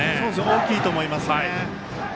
大きいと思います。